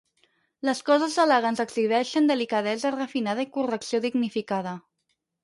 Les coses elegants exhibeixen delicadesa refinada i correcció dignificada.